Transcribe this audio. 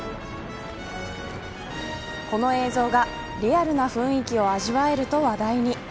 この映像がリアルな雰囲気を味わえると話題に。